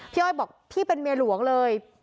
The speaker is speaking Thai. อ้อยบอกพี่เป็นเมียหลวงเลย